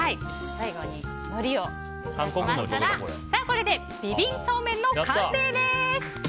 最後に、のりを散らしましたらこれでビビンそうめんの完成です。